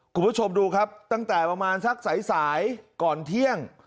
คุณผู้ชมดูครับตั้งแต่ประมาณสักสายก่อนเที่ยง